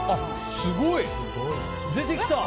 すごい！出てきた。